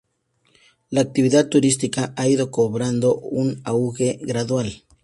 La actividad turística ha ido cobrando un auge gradual.